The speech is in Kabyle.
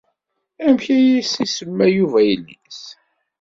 Amek ay as-isemma Yuba i yelli-s?